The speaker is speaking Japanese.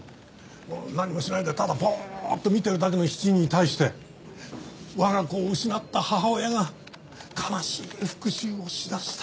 何もしないでただぼーっと見てるだけの７人に対して我が子を失った母親が悲しい復讐をしだした。